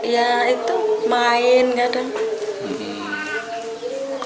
ya itu main kadang